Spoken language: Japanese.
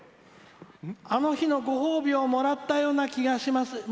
あの日のご褒美をもらったような気がします。